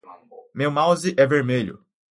Meu mouse é vermelho